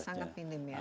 masih sangat minim ya